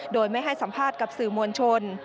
โดยไม่ให้สัมภาษณ์กับสื่อมวลชน